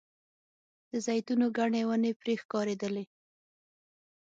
د زیتونو ګڼې ونې پرې ښکارېدلې.